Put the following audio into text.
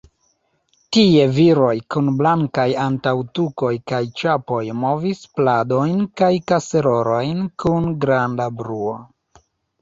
Tie viroj, kun blankaj antaŭtukoj kaj ĉapoj, movis pladojn kaj kaserolojn kun granda bruo.